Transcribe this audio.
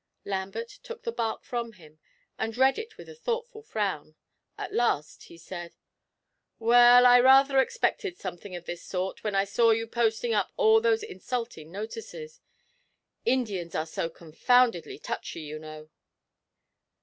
Lambert took the bark from him, and read it with a thoughtful frown. At last he said: 'Well, I rather expected something of this sort when I saw you posting up all those insulting notices Indians are so confoundedly touchy, you know.'